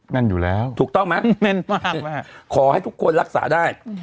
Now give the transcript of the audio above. แน่นอยู่แล้วถูกต้องไหมแม่นมากขอให้ทุกคนรักษาได้